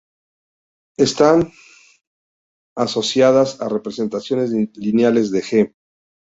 Estas están asociadas a representaciones lineales de "G".